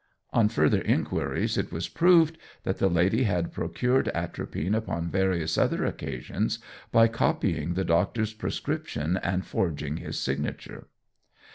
On further inquiries it was proved that the lady had procured atropine upon various other occasions by copying the doctor's prescription and forging his signature.